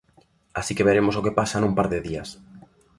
Así que veremos o que pasa nun par de días.